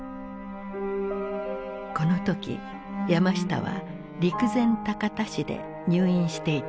この時山下は陸前高田市で入院していた。